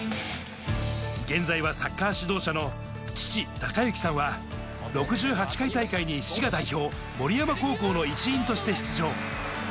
現在はサッカー指導者の父・貴之さんは、６８回大会に滋賀代表・森山高校の一員として出場。